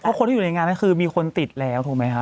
เพราะคนที่อยู่ในงานนั้นคือมีคนติดแล้วถูกไหมคะ